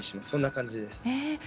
そんな感じです。